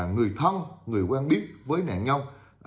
người thân người quen biết với nạn nhân